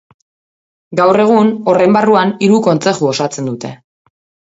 Gaur egun horren barruan hiru kontzeju osatzen dute.